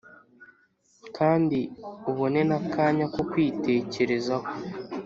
kandi ubone n akanya ko kwitekerezaho.